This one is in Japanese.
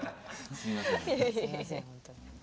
すいません。